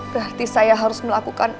berarti saya harus melakukan